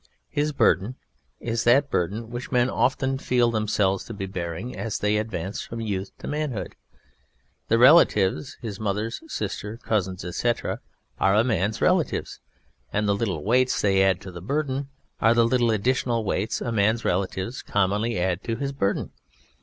His BURDEN is that Burden which men often feel themselves to be bearing as they advance from youth to manhood. The RELATIVES (his mother, his sister, his cousins, etc.) are a Man's RELATIVES and the little weights they add to the BURDEN are the little additional weights a Man's RELATIVES _commonly add to his burden.